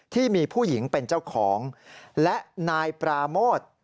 ที่มีผู้หญิงเป็นเจ้าของและนายปราโมท